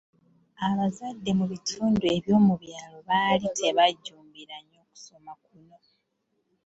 Abazadde mu bitundu eby’omu byalo baali tebajjumbira nnyo kusoma kuno.